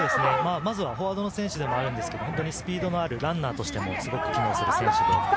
まずはフォワードの選手でもあるんですが、スピードのあるランナーとしてもすごく機能する選手。